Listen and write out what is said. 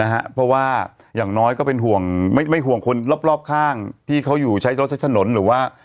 เพราะว่าอย่างน้อยก็เป็นห่วงไม่ห่วงคนรอบข้างที่เขาอยู่ใช้รถใช้ถนนหรือว่า